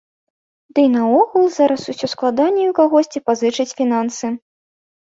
Ды і наогул зараз усё складаней у кагосьці пазычаць фінансы.